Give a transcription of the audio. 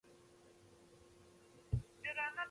یوټوبر دې د مرکه شریک مهرباني ونه ګڼي.